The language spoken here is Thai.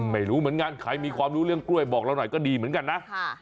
ไม่รู้เหมือนกันใครมีความรู้เรื่องกล้วยบอกเราหน่อยก็ดีเหมือนกันนะ